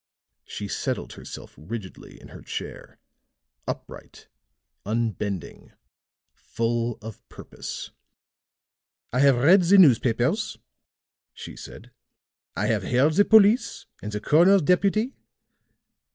She settled herself rigidly in her chair, upright, unbending, full of purpose. "I have read the newspapers," she said. "I have heard the police and the coroner's deputy.